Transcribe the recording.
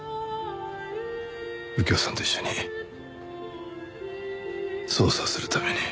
右京さんと一緒に捜査するために。